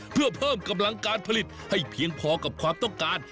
เพื่อเพิ่มกำลังการผลิตให้เพียงพอกับความต้องการ